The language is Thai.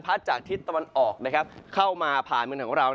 พัดจากทิศตะวันออกเข้ามาผ่านหมึกทางเรา